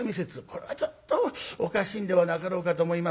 これはちょっとおかしいんではなかろうかと思いますが。